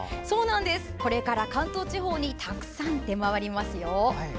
これから関東地方にたくさん出回りますよ。